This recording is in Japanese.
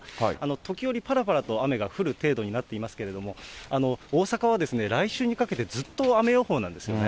時折ぱらぱらと雨が降る程度になっていますけれども、大阪は来週にかけて、ずっと雨予報なんですよね。